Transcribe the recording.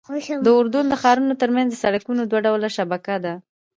د اردن د ښارونو ترمنځ د سړکونو دوه ډوله شبکه ده.